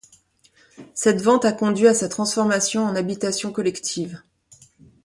Cette vente a conduit à sa transformation en habitation collective.